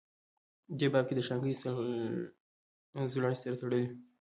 دې باب کې دَشانګلې ضلعې سره تړلي